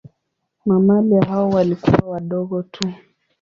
Mamalia hao walikuwa wadogo tu.